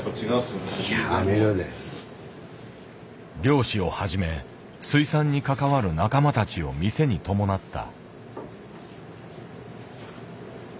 漁師をはじめ水産に関わる仲間たちを店に伴った。